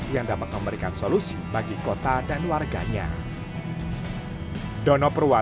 yang dapat memberikan solusi bagi kota dan warganya